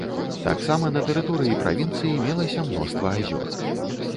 Таксама на тэрыторыі правінцыі мелася мноства азёр.